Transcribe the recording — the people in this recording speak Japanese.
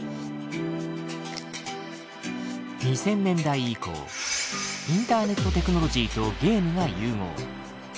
２０００年代以降インターネットテクノロジーとゲームが融合。